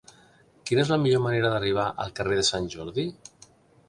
Quina és la millor manera d'arribar al carrer de Sant Jordi?